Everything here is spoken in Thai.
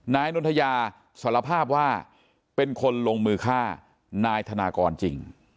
นายนนทยาสารภาพว่าเป็นคนลงมือฆ่านายธนากรจริง